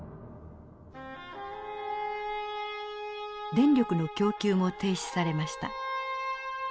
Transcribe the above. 電力の供給も停止されました。